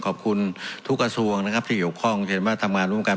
ขอบคุณทุกกระทรวงนะครับที่เกี่ยวข้องเห็นว่าทำงานร่วมกัน